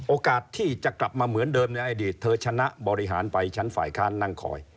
โอกาสที่จะกลับมาเหมือนเดิมในอดีตเธอชนะบริหารไปชั้นฝ่ายค้านนั่งคอย